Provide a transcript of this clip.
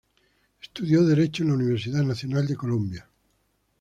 Estudio derecho en la Universidad Nacional de Colombia.